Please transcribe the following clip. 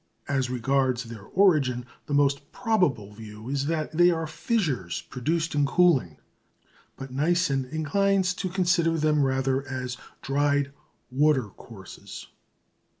As regards their origin, the most probable view is that they are fissures produced in cooling; but Neison inclines to consider them rather as dried watercourses.